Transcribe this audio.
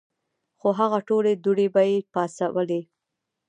خو هغه ټولې دوړې به ئې پاڅولې ـ